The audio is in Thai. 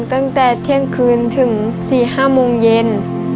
ตั้งแต่เที่ยงคืนถึง๔๕โมงเย็น